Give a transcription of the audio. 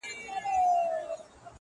د انتظار خبري ډيري ښې دي.